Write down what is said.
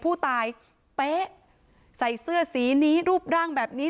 ผู้ตายเป๊ะใส่เสื้อสีนี้รูปร่างแบบนี้